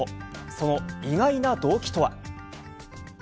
その意外な動機とは。